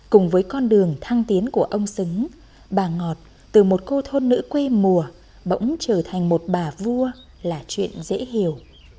cùng với con đường thăng tiến của ông xứng bà ngọt từ một cô thôn nữ quê mùa bỗng trở thành một bà vua là chuyện dễ hiểu